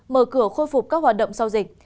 mở cửa khôi phục các hoạt động sau dịch